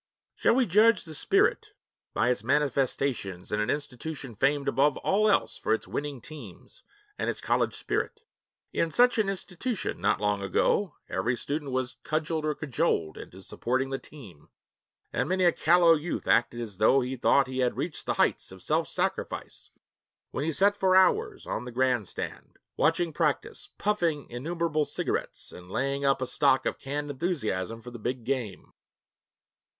Shall we judge the spirit by its manifestations in an institution famed above all else for its winning teams and its college spirit? In such an institution, not long ago, every student was cudgeled or cajoled into 'supporting the team,' and many a callow youth acted as though he thought he had reached the heights of self sacrifice when he sat for hours on the grandstand, watching practice, puffing innumerable cigarettes, and laying up a stock of canned enthusiasm for the big game.